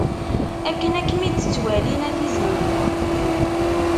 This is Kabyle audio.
Akken ad kem-id-ttwalin a Tiziri.